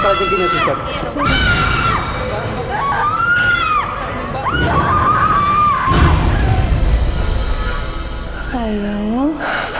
masa ke rumah sakit sekarang